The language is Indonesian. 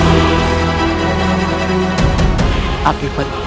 seluruh aliran darahnya terbalik